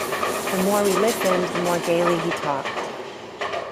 The more we listened, the more gaily he talked.